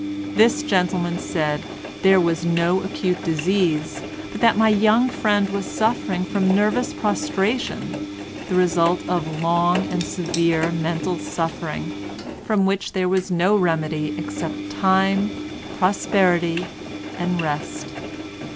This gentleman said there was no acute disease but that my young friend was suffering from nervous prostration, the result of long and severe mental suffering, from which there was no remedy except time, prosperity and rest.